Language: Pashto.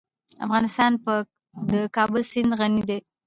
افغانستان په د کابل سیند غني دی.